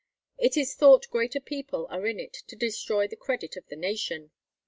It is thought greater people are in it to destroy the credit of the nation."